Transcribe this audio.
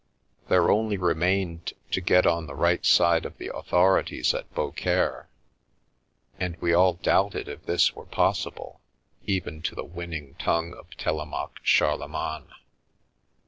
There only remained to get on the right side of the au thorities at Beaucaire, and we all doubted if this were possible, even to the winning tongue of Telemaque Charlemagne.